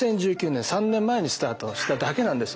２０１９年３年前にスタートしただけなんですよまだ。